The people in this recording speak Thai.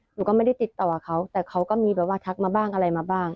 หนูก็ไม่ได้ติดต่อเขาแต่เขาก็มีแบบว่าทักมาบ้างอะไรมาบ้าง